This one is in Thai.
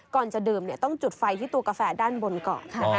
ก่อนจะดื่มต้องจุดไฟที่ตัวกาแฟด้านบนก่อน